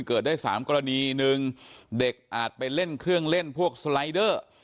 เกิดได้สามกรณีหนึ่งเด็กอาจไปเล่นเครื่องเล่นพวกสไลเดอร์